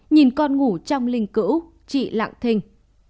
nhìn con ngủ trong linh cữu chị lặng thình